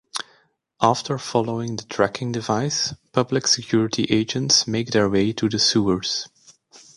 After following the tracking device, Public Security agents make their way to the sewers.